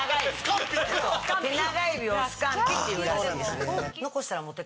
テナガエビ。をスカンピっていうらしいです。